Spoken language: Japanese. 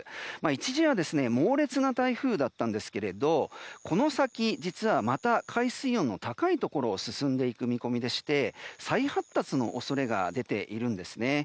一時は猛烈な台風だったんですがこの先、実はまた海水温の高いところを進んでいく見込みでして再発達の恐れが出ています。